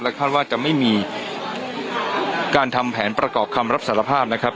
คาดว่าจะไม่มีการทำแผนประกอบคำรับสารภาพนะครับ